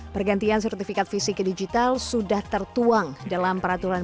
pergantian sertifikat fisik ke digital sudah tertuang dalam peraturan